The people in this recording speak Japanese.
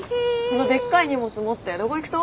でっかい荷物持ってどこ行くと？